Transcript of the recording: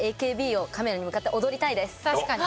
確かに。